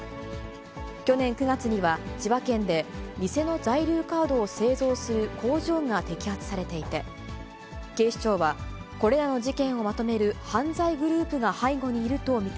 去年９月には、千葉県で偽の在留カードを製造する工場が摘発されていて、警視庁はこれらの事件をまとめる犯罪グループが背後にいると見て